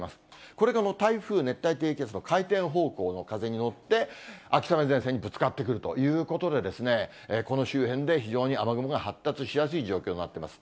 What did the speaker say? これが台風、熱帯低気圧の回転方向の風に乗って、秋雨前線にぶつかってくるということで、この周辺で非常に雨雲が発達しやすい状況になっています。